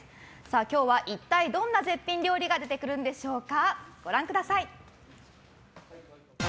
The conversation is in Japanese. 今日は一体どんな絶品料理が出てくるんでしょうか。